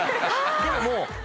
でももう。